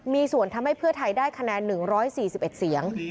มีส่วนทำให้เพื่อไทยได้คะแนน๑๔๑เสียง